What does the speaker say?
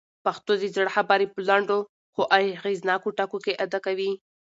پښتو د زړه خبرې په لنډو خو اغېزناکو ټکو کي ادا کوي.